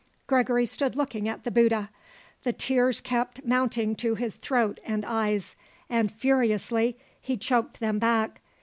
Gregory stood looking at the Bouddha. The tears kept mounting to his throat and eyes and, furiously, he choked them back.